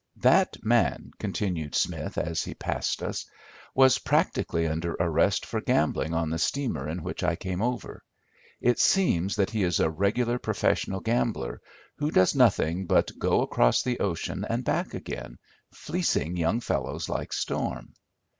"That man," continued Smith, as he passed us, "was practically under arrest for gambling on the steamer in which I came over. It seems that he is a regular professional gambler, who does nothing but go across the ocean and back again, fleecing young fellows like Storm."